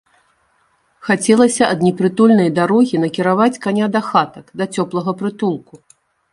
Хацелася ад непрытульнай дарогі накіраваць каня да хатак, да цёплага прытулку.